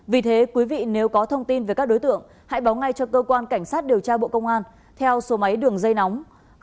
vì thế quý vị nếu có thông tin về các đối tượng hãy báo ngay cho cơ quan cảnh sát điều tra bộ công an theo số máy đường dây nóng sáu mươi chín hai trăm ba mươi bốn năm nghìn tám trăm sáu mươi